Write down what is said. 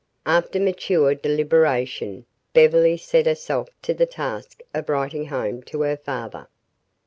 After mature deliberation Beverly set herself to the task of writing home to her father.